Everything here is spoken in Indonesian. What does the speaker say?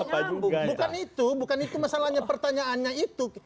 bukan itu bukan itu masalahnya pertanyaannya itu